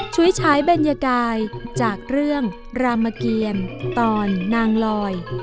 ฉายเบญกายจากเรื่องรามเกียรตอนนางลอย